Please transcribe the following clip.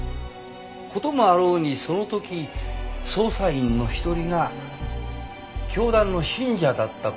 事もあろうにその時捜査員の一人が教団の信者だった事があったね。